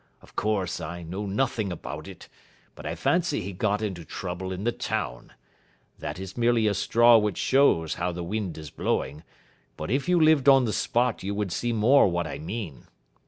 Of course, I know nothing about it, but I fancy he got into trouble in the town. That is merely a straw which shows how the wind is blowing, but if you lived on the spot you would see more what I mean.